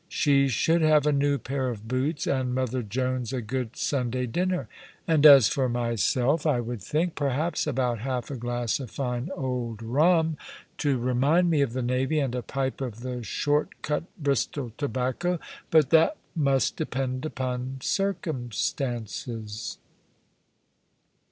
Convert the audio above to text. She should have a new pair of boots, and mother Jones a good Sunday dinner; and as for myself, I would think, perhaps, about half a glass of fine old rum (to remind me of the navy), and a pipe of the short cut Bristol tobacco but that must depend upon circumstances.